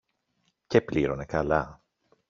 Και πλήρωνε καλά.